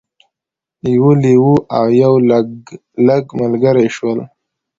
یو لیوه او یو لګلګ ملګري شول.